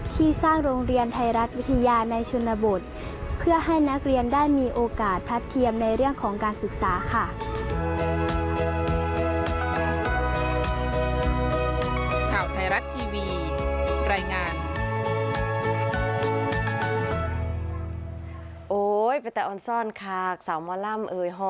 ที่สร้างโรงเรียนไทยรัฐวิทยาในชนบทเพื่อให้นักเรียนได้มีโอกาสทัดเทียมในเรื่องของการศึกษาค่ะ